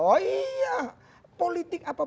politik apapun bisa terjadi